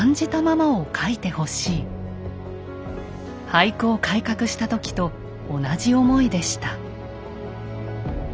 俳句を改革した時と同じ思いでした。